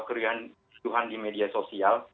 kerjaan tuhan di media sosial